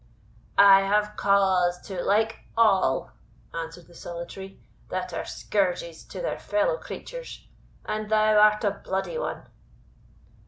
"I have cause to like all," answered the Solitary, "that are scourges to their fellow creatures, and thou art a bloody one."